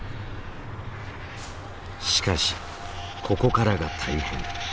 しかしここからが大変。